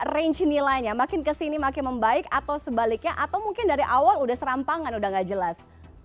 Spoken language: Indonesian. range nilainya makin kesini makin membaik atau sebaliknya atau mungkin dari awal udah serampangan udah gak jelas